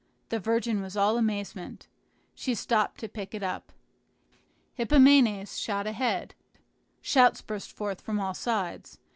The virgin was all amazement. She stopped to pick it up. Hippomenes shot ahead. Shouts burst forth from all sides.